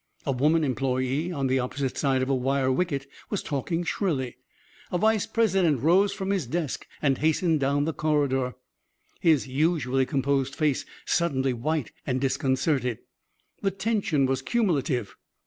A woman employee on the opposite side of a wire wicket was talking shrilly. A vice president rose from his desk and hastened down the corridor, his usually composed face suddenly white and disconcerted. The tension was cumulative.